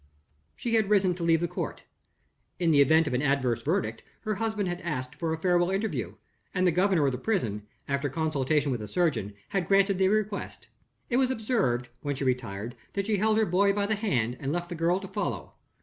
She had risen to leave the court. In the event of an adverse verdict, her husband had asked for a farewell interview; and the governor of the prison, after consultation with the surgeon, had granted the request. It was observed, when she retired, that she held her boy by the hand, and left the girl to follow.